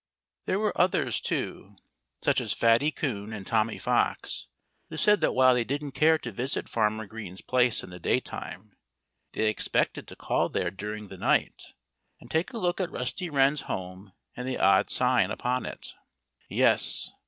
There were others, too, such as Fatty Coon and Tommy Fox, who said that while they didn't care to visit Farmer Green's place in the daytime, they expected to call there during the night and take a look at Rusty Wren's home and the odd sign upon it. Yes!